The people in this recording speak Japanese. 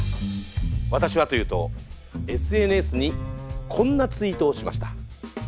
私はというとＳＮＳにこんなツイートをしました。